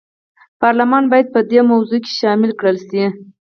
پارلمان باید په دې موضوع کې شامل کړل شي.